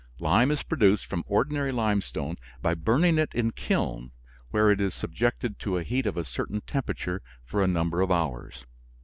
Lime is produced from ordinary limestone by burning it in kilns where it is subjected to a heat of a certain temperature for a number of hours.